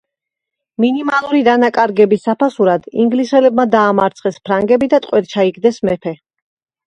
მინიმალური დანაკარგების საფასურად ინგლისელებმა დაამარცხეს ფრანგები და ტყვედ ჩაიგდეს მეფე.